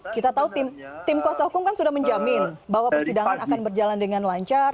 kita tahu tim kuasa hukum kan sudah menjamin bahwa persidangan akan berjalan dengan lancar